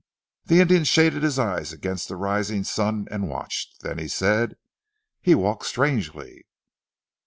The Indian shaded his eyes against the rising sun and watched, then he said, "He walks strangely."